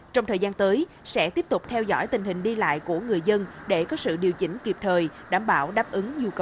trong thời gian tới sẽ tiếp tục theo dõi tình hình đi lại của người dân để có sự điều chỉnh kịp thời đảm bảo đáp ứng nhu cầu